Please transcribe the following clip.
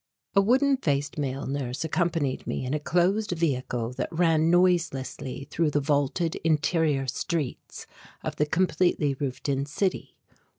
A wooden faced male nurse accompanied me in a closed vehicle that ran noiselessly through the vaulted interior streets of the completely roofed in city.